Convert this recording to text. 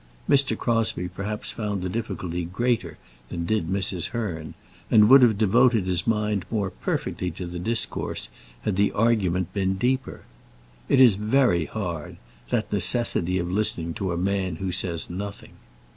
Mr. Crosbie perhaps found the difficulty greater than did Mrs. Hearn, and would have devoted his mind more perfectly to the discourse had the argument been deeper. It is very hard, that necessity of listening to a man who says nothing.